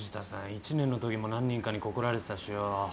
１年のときも何人かに告られてたしよ